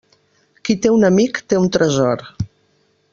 Qui té un amic té un tresor.